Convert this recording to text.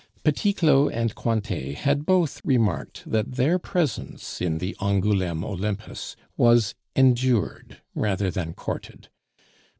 Petit Claud and Cointet had both remarked that their presence in the Angouleme Olympus was endured rather than courted.